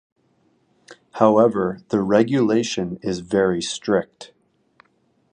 However, the regulation is very strict.